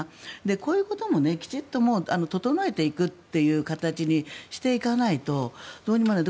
こういうこともきちんと整えていくという形にしていかないとどうにもならない。